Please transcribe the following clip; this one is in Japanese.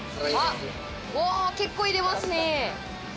結構入れますね。